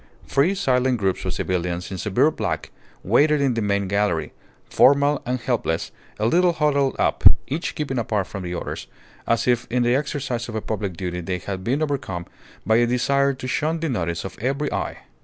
Three silent groups of civilians in severe black waited in the main gallery, formal and helpless, a little huddled up, each keeping apart from the others, as if in the exercise of a public duty they had been overcome by a desire to shun the notice of every eye.